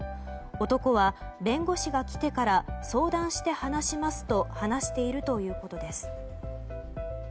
男は弁護士が来てから相談して話しますと話しているということです。